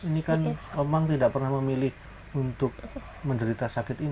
ini kan omang tidak pernah memilih untuk menderita sakit ini